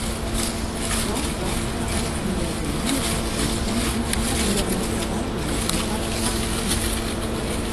Dort saß er auch in der Gemeindevertretung und war in der Molkereigenossenschaft aktiv.